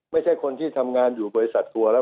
ไม่ใช่คนที่ทำงานอยู่บริษัททัวร์แล้ว